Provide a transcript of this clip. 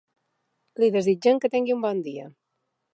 Li desitgem que tingui un bon dia.